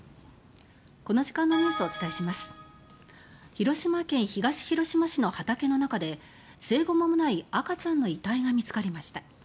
広島県東広島市の畑の中で生後間もない赤ちゃんの遺体が見つかりました。